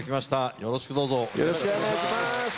よろしくお願いします。